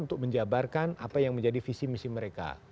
untuk menjabarkan apa yang menjadi visi misi mereka